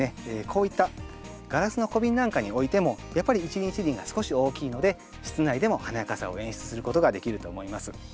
こういったガラスの小瓶なんかに置いてもやっぱり一輪一輪が少し大きいので室内でも華やかさを演出することができると思います。